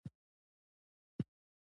کوږ زړه د چا ښه نه غواړي